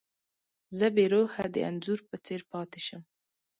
زه بې روحه د انځور په څېر پاتې شم.